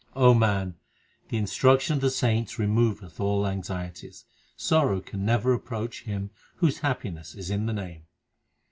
O man, the instruction of the saints Removeth all anxieties. Sorrow can never approach him Whose happiness is in the Name.